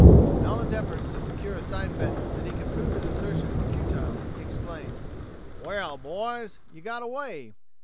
When all his efforts to secure a side bet that he could prove his assertion were futile, he explained: "Wall, boys, ye got away.